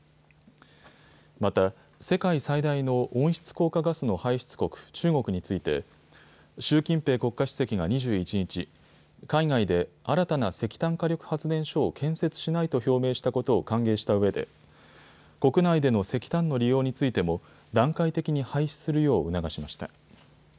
また、世界最大の温室効果ガスの排出国、中国について習近平国家主席が２１日、海外で新たな石炭火力発電所を建設しないと表明したことを歓迎したうえで国内での石炭の利用についても段階的に廃止するよう促しました。